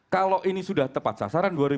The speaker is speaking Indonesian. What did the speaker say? kalau ini sudah tepat sasaran